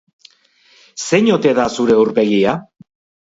Zein ote da zure aurpegia?